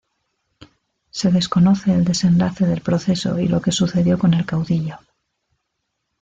Se desconoce el desenlace del proceso y lo que sucedió con el caudillo.